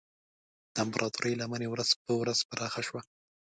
د امپراتورۍ لمن یې ورځ په ورځ پراخه شوه.